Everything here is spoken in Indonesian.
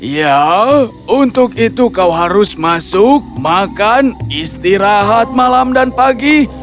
ya untuk itu kau harus masuk makan istirahat malam dan pagi